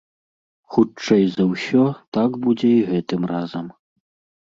Хутчэй за ўсё, так будзе і гэтым разам.